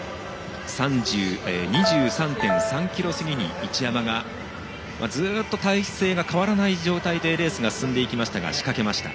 ２３．３ｋｍ過ぎに一山がずっと態勢が変わらない状態でレースが進みましたが仕掛けました。